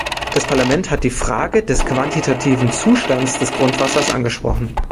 Das Parlament hat die Frage des quantitativen Zustands des Grundwassers angesprochen.